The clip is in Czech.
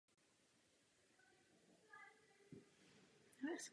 Během války žil v Brně.